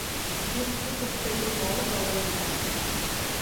Dubto que esperi molt del vell món.